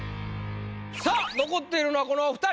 さあ残っているのはこのお二人。